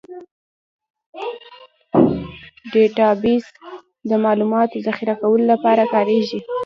ډیټابیس د معلوماتو ذخیره کولو لپاره کارېږي.